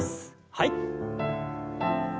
はい。